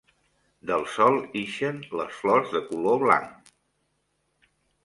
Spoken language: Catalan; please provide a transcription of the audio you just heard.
Del sol ixen les flors de color blanc.